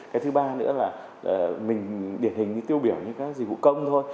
cái thứ ba nữa là mình điển hình như tiêu biểu như các dịch vụ công thôi